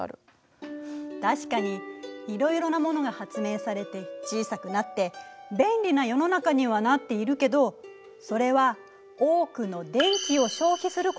確かにいろいろなものが発明されて小さくなって便利な世の中にはなっているけどそれは多くの電気を消費することで成り立っているのよ。